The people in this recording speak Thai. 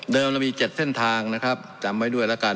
เรามี๗เส้นทางนะครับจำไว้ด้วยแล้วกัน